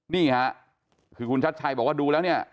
นี่ค่ะคือคุณชัดชัยบอกว่าดูแล้วเนี่ย